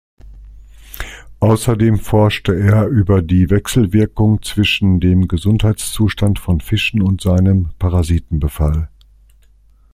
Außerdem forschte er über die Wechselwirkung zwischen dem Gesundheitszustand von Fischen und seinem Parasitenbefall.